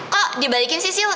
kok dibalikin sisil